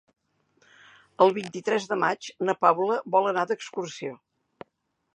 El vint-i-tres de maig na Paula vol anar d'excursió.